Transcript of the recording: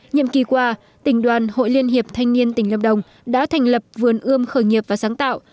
nhiệm kỳ qua tỉnh đoàn hội liên hiệp thanh niên tỉnh lâm đồng đã thành lập vườn ươm khởi nghiệp và sáng tạo